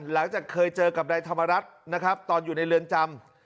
หลังจากเคยเจอกับนายธรรมรัฐนะครับตอนอยู่ในเรือนจำ